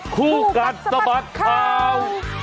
คู่กันสบัติข้าว